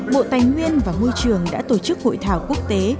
bộ tài nguyên và môi trường đã tổ chức hội thảo quốc tế